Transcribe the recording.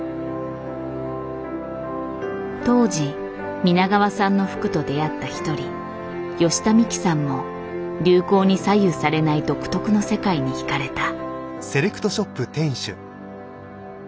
当時皆川さんの服と出会った一人吉田美紀さんも流行に左右されない独特の世界に惹かれた。